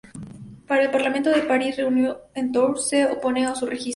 Pero el parlamento de París, reunido en Tours, se opone a su registro.